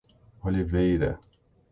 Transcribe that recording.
Oliveira